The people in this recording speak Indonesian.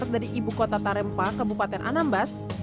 dari ibu kota tarempa kabupaten anambas